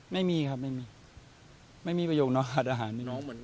ไม่มีครับไม่มีประโยคน้องขาดอาหารไม่มี